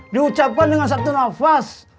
diucapkan dengan satu nafas